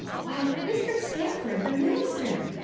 " Why, Mr. Stafford, the minister